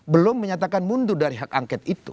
belum menyatakan mundur dari hak angket itu